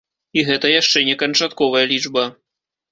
І гэта яшчэ не канчатковая лічба.